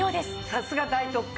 さすが大特価！